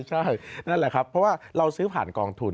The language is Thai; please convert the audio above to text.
ใช่นั่นแหละครับเพราะว่าเราซื้อผ่านกองทุน